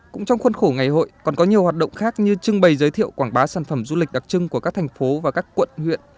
cũng trong khuôn khổ ngày hội còn có nhiều hoạt động khác như trưng bày giới thiệu quảng bá sản phẩm du lịch đặc trưng của các thành phố và các quận huyện